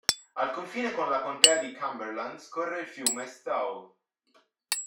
Al confine con la contea di Cumberland scorre il fiume Stow.